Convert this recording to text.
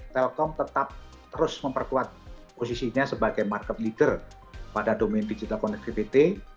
telkom tetap terus memperkuat posisinya sebagai market leader pada domain digital connectivity